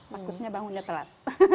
takutnya bangunnya telat